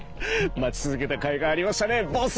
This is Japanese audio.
待ちつづけたかいがありましたねボス！